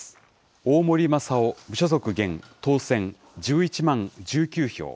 大森雅夫、無所属、現、当選、１１万１９票。